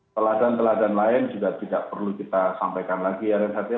peladan peladan lain juga tidak perlu kita sampaikan lagi ya renhard